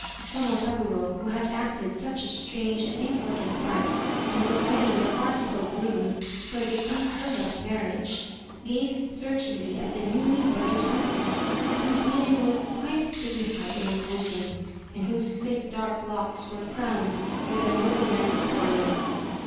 Tomosaburo, who had acted such a strange and important part in providing the farcical groom for this unheard of marriage, gazed searchingly at the newly wedded husband, whose mien was quite dignified and imposing, and whose thick dark locks were crowned with a nobleman's coronet.